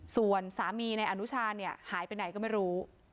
ส่วนสามีในอนุชาเนี่ยหายไปไหนก็ไม่รู้